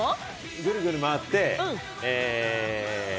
ぐるぐる回って。